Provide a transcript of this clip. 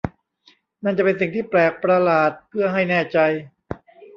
นั่นจะเป็นสิ่งที่แปลกประหลาดเพื่อให้แน่ใจ !